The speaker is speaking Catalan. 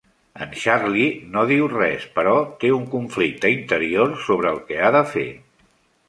En Charlie no diu res, però té un conflicte interior sobre el que ha de fer.